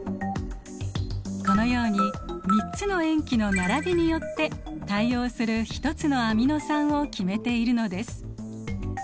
このように３つの塩基の並びによって対応する一つのアミノ酸を決めているのです。